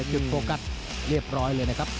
โฟกัสเรียบร้อยเลยนะครับ